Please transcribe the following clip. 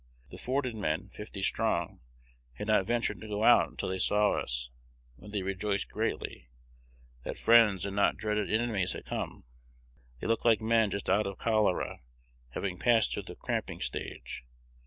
The forted men, fifty strong, had not ventured to go out until they saw us, when they rejoiced greatly that friends and not dreaded enemies had come. They looked like men just out of cholera, having passed through the cramping stage.